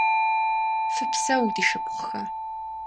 Фыпсэу, ди шыпхъухэ!